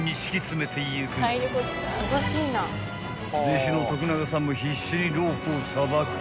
［弟子の徳永さんも必死にロープをさばく］